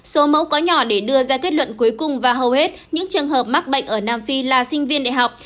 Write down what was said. số mẫu có nhỏ để đưa ra kết luận cuối cùng và hầu hết những trường hợp mắc bệnh ở nam phi là sinh viên đại học